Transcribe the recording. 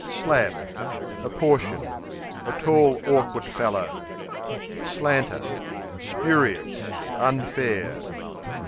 Slab A portion; a tall, awkward fellow. Slanter Spurious; unfair.